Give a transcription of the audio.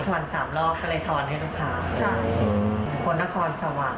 ก็เลยนับควรสามรอบก็เลยทอนให้ลูกค้าใช่อืมคนนครสว่างค่ะ